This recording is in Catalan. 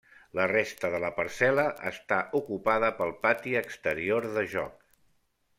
La resta de la parcel·la està ocupada pel pati exterior de joc.